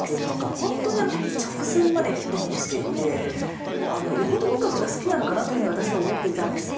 本当に直前までヘッドホンをしていてよほど音楽が好きなのかなと私は思っていたんですが